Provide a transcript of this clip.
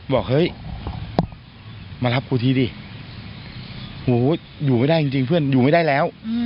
บอกเฮ้ยมาทับกูทีดิโหอยู่ไม่ได้จริงเพื่อนอยู่ไม่ได้แล้ว